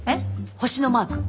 星のマーク！